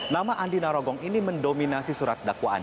nama andi narogong ini mendominasi surat dakwaan